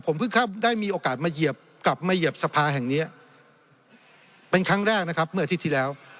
ผมเพิ่งได้มีโอกาสมาเหยียบกลับมาเหยียบสภาแห่งนี้เป็นครั้งแรกนะครับเมื่ออาทิตย์ที่แล้ว